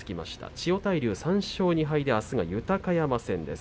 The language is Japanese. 千代大龍、３勝２敗であすは豊山戦です。